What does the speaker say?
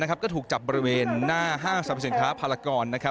ก็ถูกจับบริเวณหน้าห้างสรรพสินค้าพารากร